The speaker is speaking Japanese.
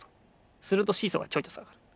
するとシーソーがちょいとさがる。